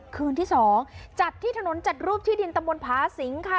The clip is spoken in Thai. คืนที่๒จัดที่ถนนจัดรูปที่ดินตำบลผาสิงค่ะ